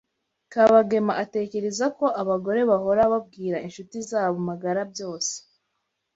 Kabagema atekereza ko abagore bahora babwira inshuti zabo magara byose.